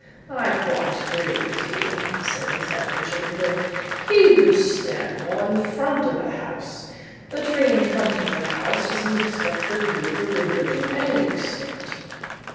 "I quite agree with you," said Inspector Chippenfield. "He would stand more in the front of the house. The tree in front of the house doesn't obstruct the view of the window to any extent."